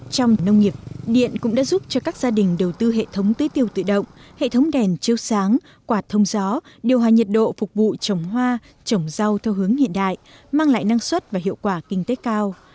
trong nông nghiệp điện cũng đã giúp cho các gia đình đầu tư hệ thống tưới tiêu tự động hệ thống đèn chiếu sáng quạt thông gió điều hòa nhiệt độ phục vụ trồng hoa trồng rau theo hướng hiện đại mang lại năng suất và hiệu quả kinh tế cao